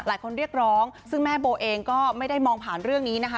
เรียกร้องซึ่งแม่โบเองก็ไม่ได้มองผ่านเรื่องนี้นะคะ